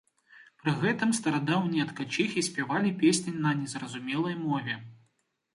Пры гэтым старадаўнія ткачыхі спявалі песні на незразумелай мове.